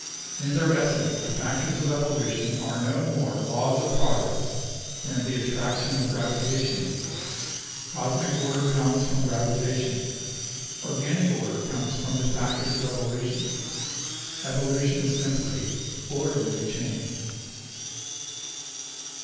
In their essence the factors of evolution are no more laws of progress than the attraction of gravi tation is. Cosmic order comes from gravitation. Organic order comes from the factors of evolution. Evolution is simply orderly change.